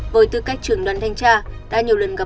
với tư cách trưởng đoàn thanh tra